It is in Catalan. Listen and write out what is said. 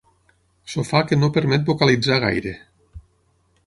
Sofà que no permet vocalitzar gaire.